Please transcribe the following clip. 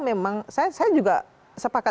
memang saya juga sepakat